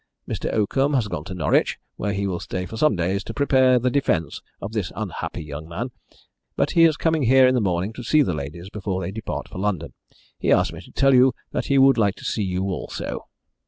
Mr. Oakham has gone to Norwich, where he will stay for some days to prepare the defence of this unhappy young man, but he is coming here in the morning to see the ladies before they depart for London. He asked me to tell you that he would like to see you also."